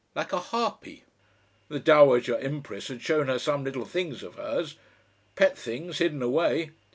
Like a harpy. The Dowager Empress had shown her some little things of hers. Pet things hidden away.